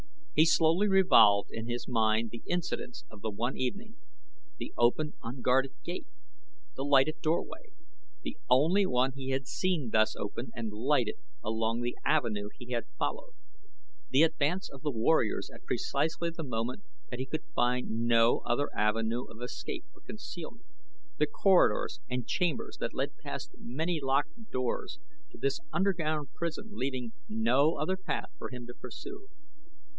He slowly revolved in his mind the incidents of the evening the open, unguarded gate; the lighted doorway the only one he had seen thus open and lighted along the avenue he had followed; the advance of the warriors at precisely the moment that he could find no other avenue of escape or concealment; the corridors and chambers that led past many locked doors to this underground prison leaving no other path for him to pursue.